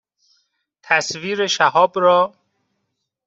تصویر شهاب را